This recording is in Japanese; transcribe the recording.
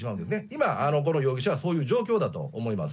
今、この容疑者はそういう状況だと思います。